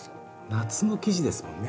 夏の生地ですもんね